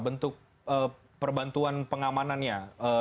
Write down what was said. bentuk perbantuan pengamanannya